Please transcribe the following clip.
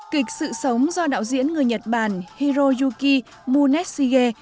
kịch sự sống do đạo diễn người nhật bản hiroyuki munetsuge